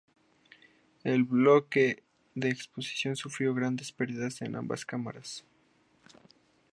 El bloque de oposición sufrió grandes perdidas en ambas cámaras.